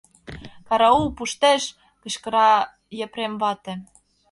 — Караул, пуштеш! — кычкыра Епрем вате.